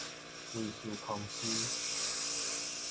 威斯康辛